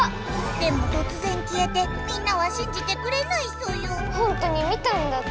でもとつぜんきえてみんなはしんじてくれないソヨほんとに見たんだって。